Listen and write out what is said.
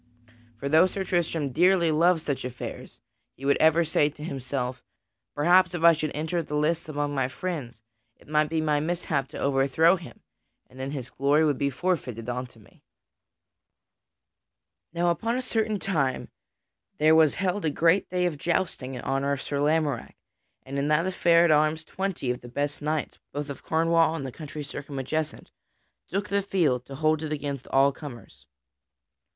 For though Sir Tristram dearly loved such affairs, he would ever say to himself: "Perhaps if I should enter the lists against my friend it might be my mishap to overthrow him and then his glory would be forfeited unto me." [Sidenote: Sir Lamorack does famous battle] Now upon a certain time there was held a great day of jousting in honor of Sir Lamorack, and in that affair at arms twenty of the best knights, both of Cornwall and the countries circumadjacent, took the field to hold it against all comers.